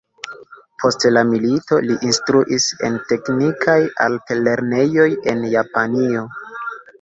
Post la milito li instruis en teknikaj alt-lernejoj en Japanio.